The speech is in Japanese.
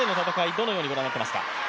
どのようにご覧になっていますか？